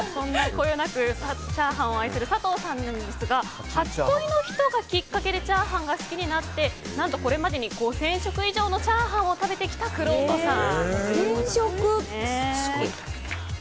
こよなくチャーハンを愛する佐藤さんなんですが初恋の人がきっかけでチャーハンが好きになって何とこれまでに５０００食以上のチャーハンを食べてきたくろうとさん。